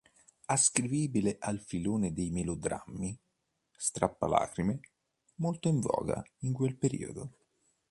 Ascrivibile al filone dei melodrammi "strappalacrime", molto in voga in quel periodo.